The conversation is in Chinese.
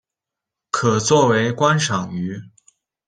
可做为观赏鱼。